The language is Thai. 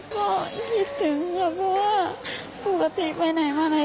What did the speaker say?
ก็คิดถึงก็เพราะว่ากลุกฐีไปไหนมาไหน